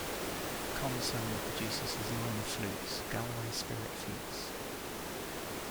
Conn-Selmer produces his line of flutes, "Galway Spirit Flutes".